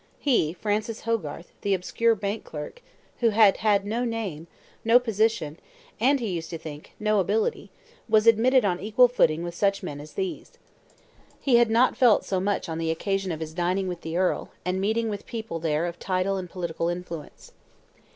He Francis Hogarth, the obscure bank clerk, who had had no name, no position, and, he used to think, no ability was admitted on equal footing with such men as these. He had not felt so much on the occasion of his dining with the Earl, and meeting with people there of title and political influence.